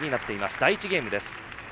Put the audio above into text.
第１ゲームです。